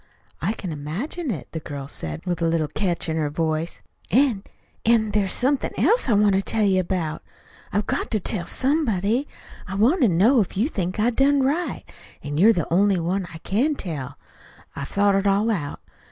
"I can imagine it." The girl said it with a little catch in her voice. "An' an' there's somethin' else I want to tell you about. I've got to tell somebody. I want to know if you think I done right. An' you're the only one I can tell. I've thought it all out.